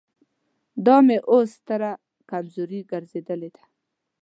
دا مې اوس ستره کمزوري ګرځېدلې ده.